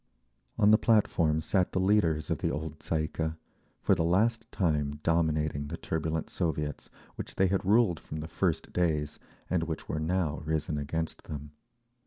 On the platform sat the leaders of the old Tsay ee kah—for the last time dominating the turbulent Soviets, which they had ruled from the first days, and which were now risen against them.